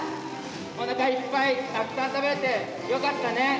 おなかいっぱいたくさん食べれてよかったね。